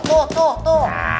tuh tuh tuh